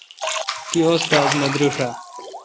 تی استا ذ نہ دریݭ آ؟